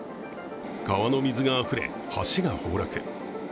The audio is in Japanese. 川の水があふれ、橋が崩落。